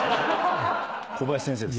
小林先生です。